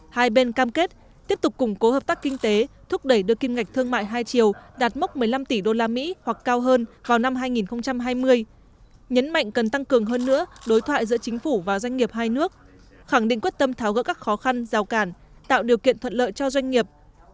hai bên cam kết tiếp tục củng cố hợp tác kinh tế thúc đẩy đưa kim ngạch thương mại hai triệu đạt mốc một mươi năm tỷ usd hoặc cao hơn vào năm hai nghìn hai mươi nhấn mạnh cần tăng cường hơn nữa đối thoại giữa chính phủ và doanh nghiệp hai nước khẳng định quyết tâm tháo gỡ các khó khăn rào cản tạo điều kiện thuận lợi cho doanh nghiệp